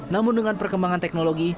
namun dengan perkembangan teknologi